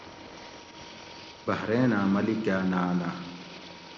بحریناۤں ملیکاۤناۤنہ